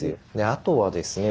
あとはですね